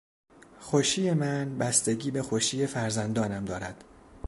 خوشی من بستگی به خوشی فرزندانم دارد.